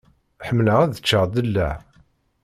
Ḥemmleɣ ad ččeɣ ddellaε.